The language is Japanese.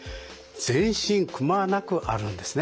全身くまなくあるんですね。